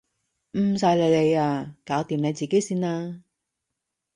唔使你理啊！搞掂你自己先啦！